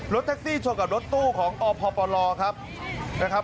รถแท็กซี่ชนกับรถตู้ของอพลครับ